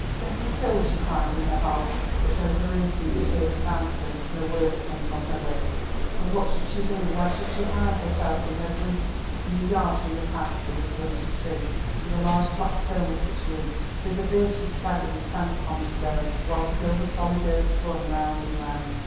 Geoffrey killed!" she cried in her heart; but though her ears seemed to hear the sound of them, no words came from her lips. "Oh, what should she do? Where should she hide herself in her grief?" A few yards from the path grew a stunted tree with a large flat stone at its root. Thither Beatrice staggered and sank upon the stone, while still the solid earth spun round and round.